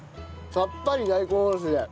さっぱり大根おろしで。